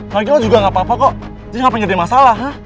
lagi lo juga gak apa apa kok jadi ngapain gede masalah